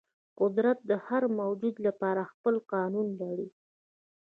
قدرت د هر موجود لپاره خپل قانون لري.